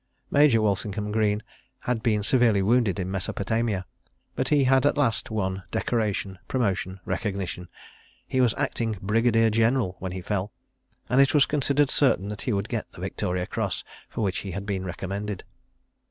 Major Walsingham Greene had been severely wounded in Mesopotamia—but he had at last won decoration, promotion, recognition. He was acting Brigadier General when he fell—and it was considered certain that he would get the Victoria Cross for which he had been recommended.